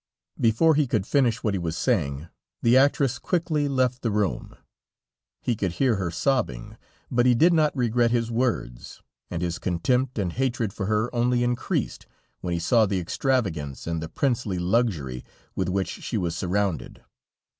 Before he could finish what he was saying, the actress quickly left the room; he could hear her sobbing, but he did not regret his words, and his contempt and hatred for her only increased, when he saw the extravagance and the princely luxury with which she was surrounded.